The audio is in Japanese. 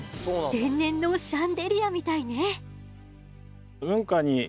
天然のシャンデリアみたいね。